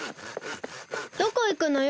どこいくのよ？